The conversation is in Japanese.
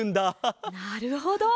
なるほど。